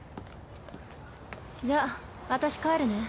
じゃあ私帰るね。